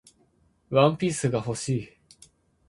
ワンピースが欲しい